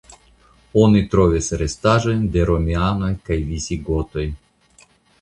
Oni trovis restaĵojn de romianoj kaj visigotoj.